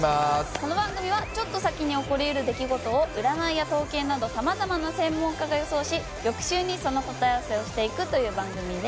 この番組はちょっと先に起こり得る出来事を占いや統計などさまざまな専門家が予想し翌週に、その答え合わせをしていく番組です。